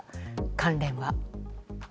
関連は。